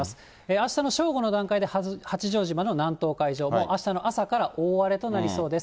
あしたの正午の段階で八丈島の南東海上、あしたの朝から大荒れとなりそうです。